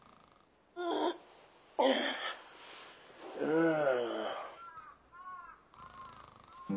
うん。